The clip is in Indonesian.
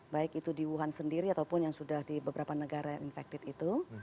baik itu di wuhan sendiri ataupun yang sudah di beberapa negara yang infected itu